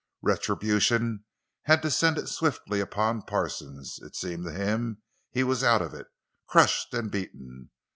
Retribution had descended swiftly upon Parsons; it seemed to him he was out of it, crushed and beaten.